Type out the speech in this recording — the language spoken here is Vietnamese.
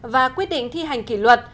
và quyết định thi hành kỷ luật